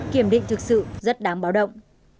kiểm định thực sự rất đáng báo động